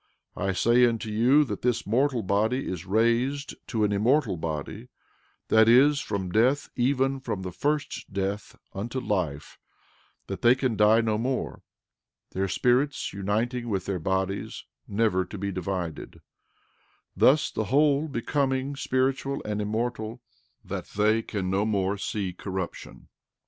I say unto you that this mortal body is raised to an immortal body, that is from death, even from the first death unto life, that they can die no more; their spirits uniting with their bodies, never to be divided; thus the whole becoming spiritual and immortal, that they can no more see corruption.